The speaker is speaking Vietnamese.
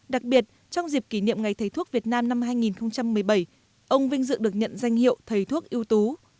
đặc biệt trong dịp kỷ niệm ngày thầy thuốc việt nam năm hai nghìn một mươi bảy ông vinh dự được nhận danh hiệu thầy thuốc ưu tú